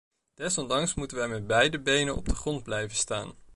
Desondanks moeten wij met beide benen op de grond blijven staan.